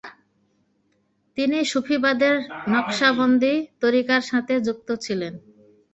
তিনি সুফিবাদের নকশবন্দি তরিকার সাথে যুক্ত ছিলেন।